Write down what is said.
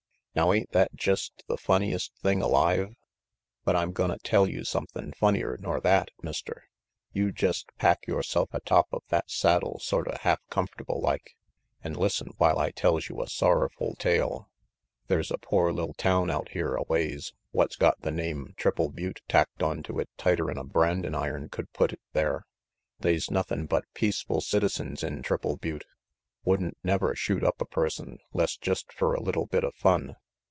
"Now ain't that jest the funniest thing alive? But I'm gonna tell you somethin' funnier nor that, Mister. You jest pack yoreself atop of that saddle sorta half comfortable like, an' listen while I tells you a sorrerful tale. They's a pore li'l town out here a ways what's got the name Triple Butte tacked onto it tighter'n a brandin' iron could put it there. They's nothin' but peaceful citizens in Triple Butte; wouldn't never shoot up a person 'less jest fer a little bit of fun.